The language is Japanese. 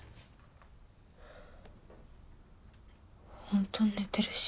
本当に寝てるし。